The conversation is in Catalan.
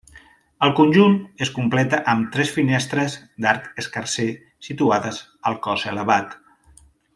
El conjunt es completa amb tres finestres d'arc escarser, situades al cos elevat.